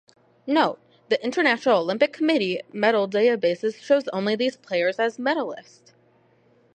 Note: The International Olympic Committee medal database shows only these players as medalists.